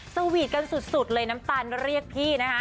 สวีทกันสุดเลยน้ำตาลเรียกพี่นะคะ